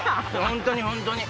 本当に本当に。